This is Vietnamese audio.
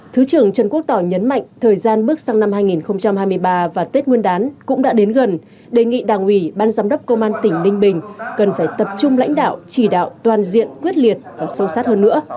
thứ trưởng trần quốc tỏ nhấn mạnh thời gian bước sang năm hai nghìn hai mươi ba và tết nguyên đán cũng đã đến gần đề nghị đảng ủy ban giám đốc công an tỉnh ninh bình cần phải tập trung lãnh đạo chỉ đạo toàn diện quyết liệt và sâu sát hơn nữa